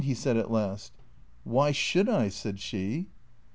" he said at last. "Why should I?" said she.